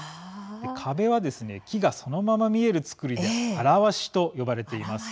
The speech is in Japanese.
壁は、木がそのまま見える造りで「現し」と呼ばれています。